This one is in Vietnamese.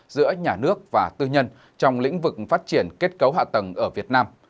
giữa nhà nước và tư nhân trong lĩnh vực phát triển kết cấu hạ tầng ở việt nam